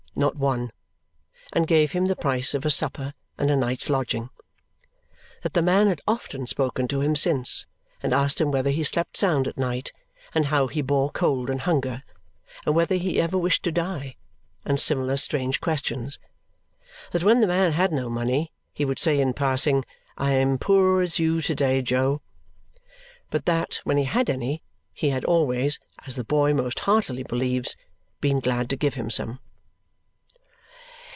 Not one!" and gave him the price of a supper and a night's lodging. That the man had often spoken to him since and asked him whether he slept sound at night, and how he bore cold and hunger, and whether he ever wished to die, and similar strange questions. That when the man had no money, he would say in passing, "I am as poor as you to day, Jo," but that when he had any, he had always (as the boy most heartily believes) been glad to give him some.